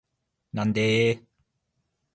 なんでーーー